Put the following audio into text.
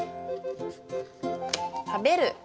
「食べる」！